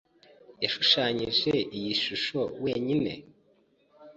Yashushanyije iyi shusho wenyine?